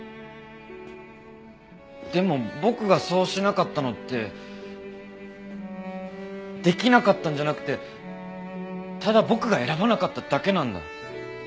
でも僕がそうしなかったのってできなかったんじゃなくてただ僕が選ばなかっただけなんだ。